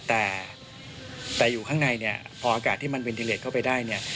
แต่อยู่ข้างในเนี่ยพออากาศที่มันวินดิเลสเข้าไปได้เนี่ย